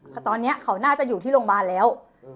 เพราะตอนเนี้ยเขาน่าจะอยู่ที่โรงพยาบาลแล้วอืม